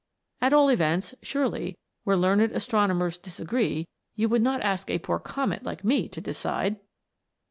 At all events, surely, where learned astronomers disagree, you would not ask a poor Comet like me to decide